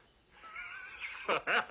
ハハハ！